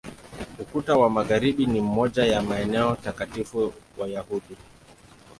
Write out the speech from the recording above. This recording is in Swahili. Ukuta wa Magharibi ni moja ya maeneo takatifu Wayahudi.